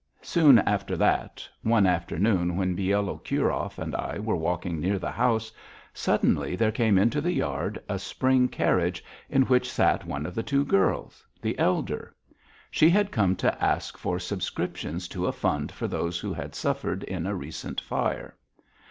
Soon after that, one afternoon, when Bielokurov and I were walking near the house, suddenly there came into the yard a spring carriage in which sat one of the two girls, the elder. She had come to ask for subscriptions to a fund for those who had suffered in a recent fire.